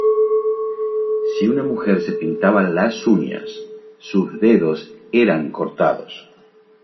Si una mujer se pintaba las uñas, sus dedos era cortados.